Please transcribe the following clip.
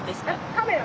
カメラ。